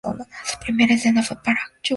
Su primera escena fue para la web Amateur Allure.